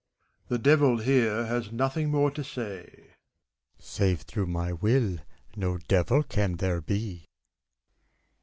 The Devil, here, has nothing more to say. BACCALAUREUS. Save through my will, no Devil can there be.